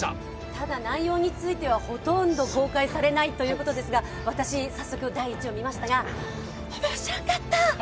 ただ、内容についてはほとんど公開されないということですが、私、早速、第１話見ましたが面白かった！